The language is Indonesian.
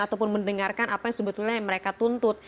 ataupun mendengarkan apa yang sebetulnya yang mereka tuntut